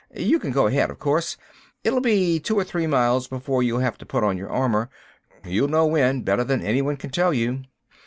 You can go ahead, of course. It'll be two or three miles before you'll have to put on your armor; you'll know when better than anyone can tell you.